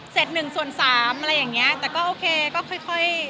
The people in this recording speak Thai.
เซตหนึ่งส่วนสามอะไรอย่างนี้แต่ก็โอเคก็ค่อย